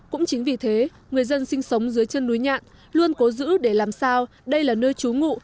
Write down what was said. cũng chính vì thế người dân sinh sống dưới chân núi nhạn luôn cố giữ để làm sao đây là nơi trú ngụ